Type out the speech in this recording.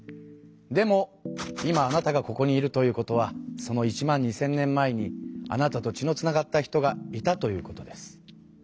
でも今あなたがここにいるということはその１万２，０００年前にあなたと血のつながった人がいたということです。